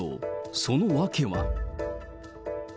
その訳は。